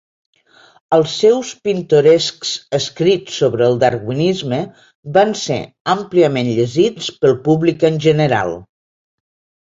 Els seus pintorescs escrits sobre el Darwinisme van ser àmpliament llegits pel públic en general.